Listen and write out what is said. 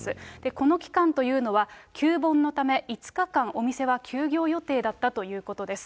この期間というのは、旧盆のため５日間、お店は休業予定だったということです。